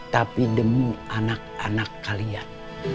tapi demi anak anak kalian